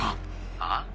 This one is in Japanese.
「はあ？」